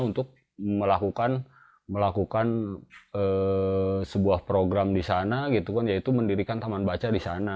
untuk melakukan sebuah program di sana yaitu mendirikan taman baca